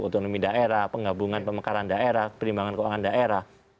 otonomi daerah penggabungan pemekaran daerah perimbangan keuangan daerah